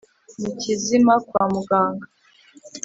Mu kizami kwa Muganga